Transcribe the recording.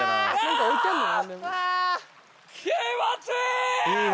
気持ちいい。